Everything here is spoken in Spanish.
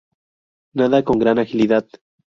Nada con gran agilidad.